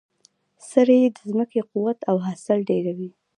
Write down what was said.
سرې د ځمکې قوت او حاصل ډیروي.